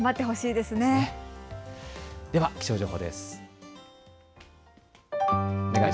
では気象情報です。